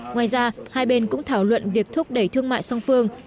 ngoài ra hai bên cũng thảo luận việc thúc đẩy thương mại song phương